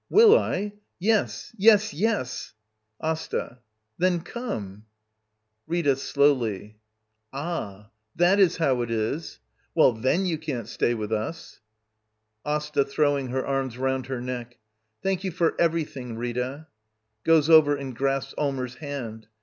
] Will I? Yes, yes, yes I Asta. Then come I Rita. [Slowly.] Ah! That is how it is! Well, then you can't stay with us. Asta. [Throwing her arms round her neck.] Thank you for everything, Rita! [Goes over and grasps Allmers' hand.